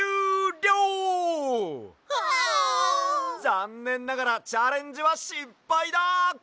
ざんねんながらチャレンジはしっぱいだ！